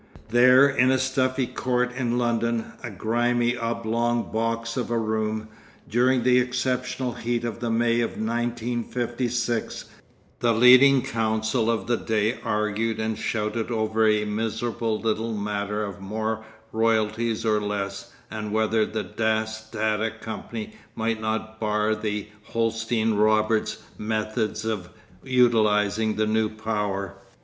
There in a stuffy court in London, a grimy oblong box of a room, during the exceptional heat of the May of 1956, the leading counsel of the day argued and shouted over a miserable little matter of more royalties or less and whether the Dass Tata company might not bar the Holsten Roberts' methods of utilising the new power.